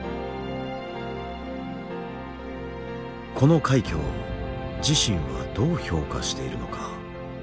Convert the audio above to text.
この快挙を自身はどう評価しているのか。